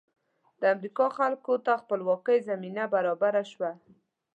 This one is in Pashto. د امریکا خلکو ته خپلواکۍ زمینه برابره شوه.